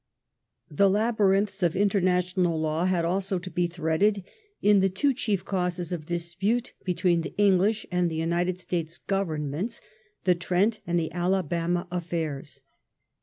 The labyrinths of international law had also to be threaded in the two chief causes of dispute between the English and United States Governments, the Trent and the Alabatna afi*airs.